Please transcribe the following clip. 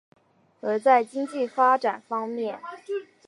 而在经济发展方面。